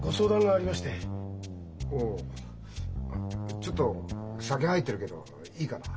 ああちょっと酒入ってるけどいいかな？